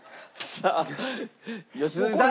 さあ良純さん。